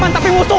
teman tapi musuh